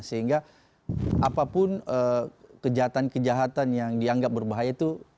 sehingga apapun kejahatan kejahatan yang dianggap berbahaya itu